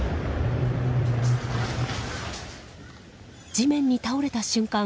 地面に倒れた瞬間